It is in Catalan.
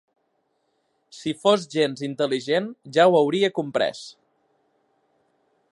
Si fos gens intel·ligent, ja ho hauria comprès.